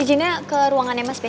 ijinnya ke ruangannya mas b